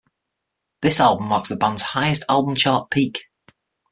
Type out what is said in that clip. This album marks the band's highest album chart peak.